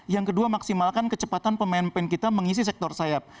yang kedua maksimalkan kecepatan pemain pemain kita mengisi sektor sayap